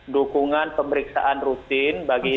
dukungan pemeriksaan rutin bagi